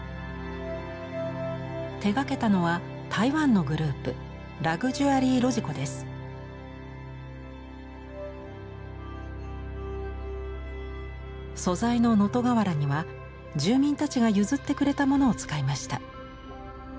手がけたのは台湾のグループ素材の能登瓦には住民たちが譲ってくれたものを使いました。